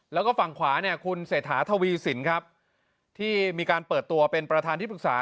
แล้วก็ฝั่งขวาคุณเสถาธวีศิลป์ที่เปิดตัวเป็นประธานที่ปรึกษา